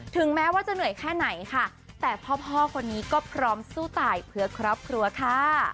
แม้ว่าจะเหนื่อยแค่ไหนค่ะแต่พ่อคนนี้ก็พร้อมสู้ตายเพื่อครอบครัวค่ะ